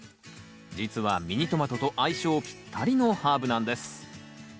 実はミニトマトと相性ぴったりのハーブなんです！